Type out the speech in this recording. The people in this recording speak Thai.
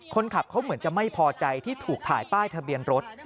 คนขับเขาเหมือนจะไม่พอใจที่ถูกถ่ายป้ายทะเบียนรถ